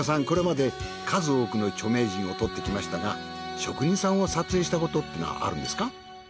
これまで数多くの著名人を撮ってきましたが職人さんを撮影したことっていうのはあるんですか？